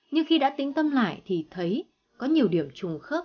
nhưng khi đã tính tâm lại thì thấy có nhiều điểm trùng khớp